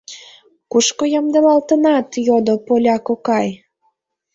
— Кушко ямдылалтынат? — йодо Поля кокай.